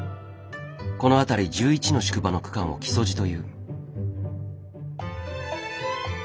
この辺り１１の宿場の区間を「木曽路」という。